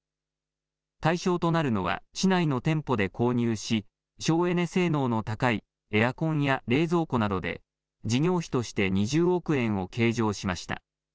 対象となるのは、市内の店舗で購入し、省エネ性能の高いエアコンや冷蔵庫などで、事業費として２０億円を計上しました。